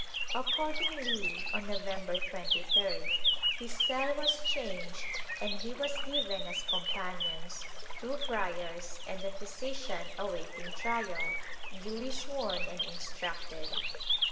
Accordingly, on November 23d, his cell was changed and he was given as com panions two friars and a physician awaiting trial, duly sworn and instructed.